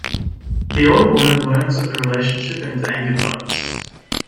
The older woman learns of the relationship and is angered by this.